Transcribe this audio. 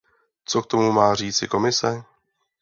Co k tomu má říci Komise?